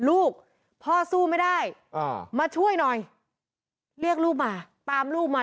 ลูกพ่อสู้ไม่ได้อ่ามาช่วยหน่อยเรียกลูกมาตามลูกมา